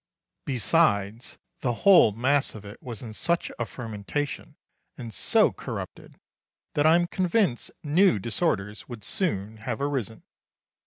Besides, the whole mass of it was in such a fermentation, and so corrupted, that I am convinced new disorders would soon have arisen.